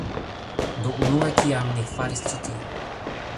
Do, unue kiam ni faris ĉi tiun...